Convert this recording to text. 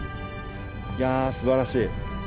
いやすばらしい。